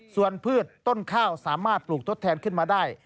ส่วนพืชต้นข้าวสามารถปลูกทดแทนขึ้นมาได้